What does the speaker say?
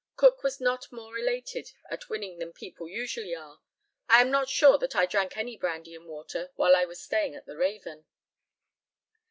Cook was not more elated at winning than people usually are. I am not sure that I drank any brandy and water while I was staying at the Raven.